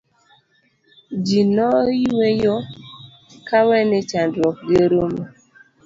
ji noyueyo kawe ni chandruok gi orumo